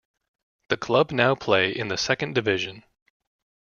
The club now play in the second division.